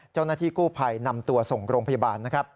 เจ้าหน้าที่กู้ไผ่นำตัวส่งโรงพยาบาล